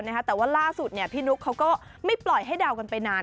แต่ว่าล่าสุดนี่พี่นุกไม่ปล่อยให้เดากันไปนาน